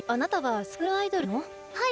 はい。